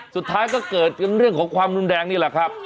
สุดท้ายก็เกิดเป็นเรื่องของความรุนแรงนี่แหละครับ